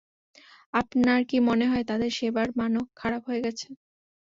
আপনার কি মনে হয় তাদের সেবার মানও খারাপ হয়ে গেছে?